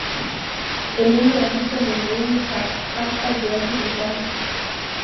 Elimu ya Lishe ni muhimu hasa Viazi Vitamu